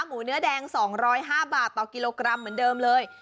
หมูเนื้อแดง๒๐๕บาทต่อกิโลกรัมเหมือนเดิมเลย